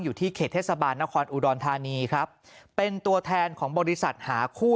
อยู่ที่เขตเทศบาลนครอุดรธานีครับเป็นตัวแทนของบริษัทหาคู่